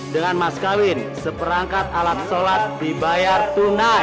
dengan mas kawin seperangkat alat sholat dibayar tunai